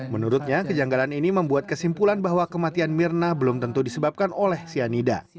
menurutnya kejanggalan ini membuat kesimpulan bahwa kematian mirna belum tentu disebabkan oleh cyanida